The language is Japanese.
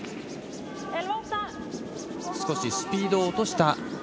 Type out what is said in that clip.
少しスピードを落とした。